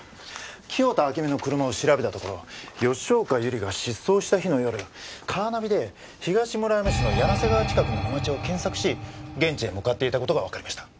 清田暁美の車を調べたところ吉岡百合が失踪した日の夜カーナビで東村山市の柳瀬川近くの沼地を検索し現地へ向かっていた事がわかりました。